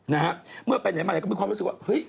นะฮะเมื่อไปไหนมาไหนก็มีความรู้สึกว่าเฮ้ย